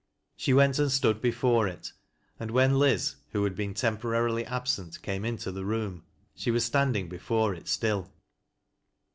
She went and stood before it, and when Liz, who had l)cen temporarily absent, came into the room, she was standing before it still.